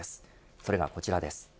それがこちらです。